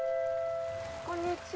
こんにちは。